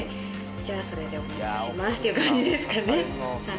じゃあそれでお願いしますっていう感じですかね。